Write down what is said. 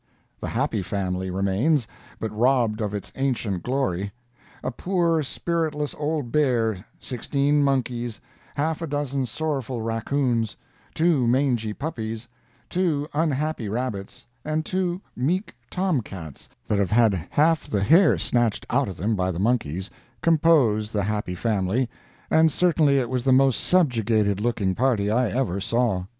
The Happy Family remains, but robbed of its ancient glory. A poor, spiritless old bear—sixteen monkeys—half a dozen sorrowful raccoons—two mangy puppies—two unhappy rabbits—and two meek Tom cats, that have had half the hair snatched out of them by the monkeys, compose the Happy Family—and certainly it was the most subjugated looking party I ever saw.